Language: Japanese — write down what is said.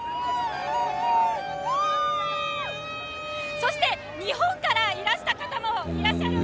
そして日本からいらした方もいます。